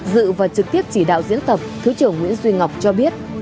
dự và trực tiếp chỉ đạo diễn tập thứ trưởng nguyễn duy ngọc cho biết